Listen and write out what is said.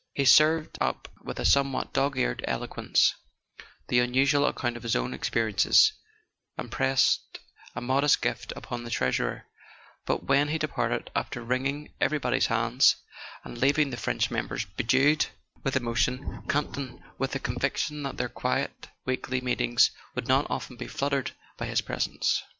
He served up, with a somewhat dog eared eloquence, the usual account of his own experiences, and pressed a modest gift upon the treasurer; but w r hen he departed, after wringing everybody's hands, and leaving the French members bedewed with emotion, Campton had the conviction that their quiet weekly meetings would not often be fluttered by his presence.